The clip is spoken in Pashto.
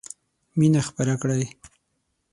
مينه خپره کړئ.